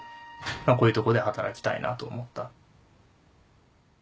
こういうとこで働きたいなと思った。